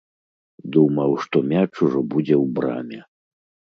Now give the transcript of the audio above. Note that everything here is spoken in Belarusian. Думаў, што мяч ужо будзе ў браме.